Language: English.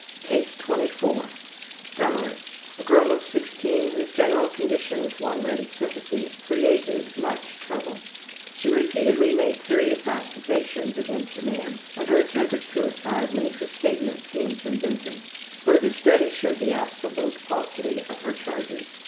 CASE 24 Summary: A girl of 16 whose general conditions won ready sympathy created much trouble. She repeatedly made serious accusations against a man and her attempt at suicide made her statement seem convincing. Further study showed the absolute falsity of her charges.